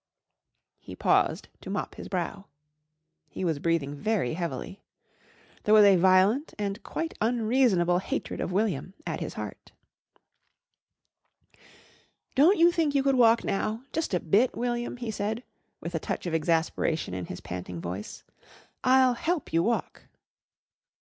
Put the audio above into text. He paused to mop his brow. He was breathing very heavily. There was a violent and quite unreasonable hatred of William at his heart. "Don't you think you could walk now just a bit, William?" he said, with a touch of exasperation in his panting voice. "I'll help you walk."